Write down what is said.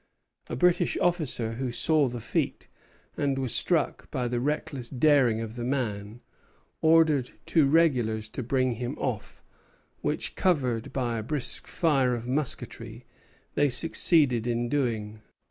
A British officer who saw the feat, and was struck by the reckless daring of the man, ordered two regulars to bring him off; which, covered by a brisk fire of musketry, they succeeded in doing.